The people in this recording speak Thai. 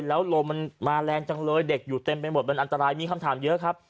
แล้วลมมันมาแรงจังเลยเด็กอยู่เต็มไปหมดมันอันตรายมีคำถามเยอะครับ